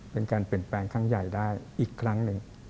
เป็นการเปลี่ยนแปลงครั้งใหญ่ได้อีกครั้งหนึ่ง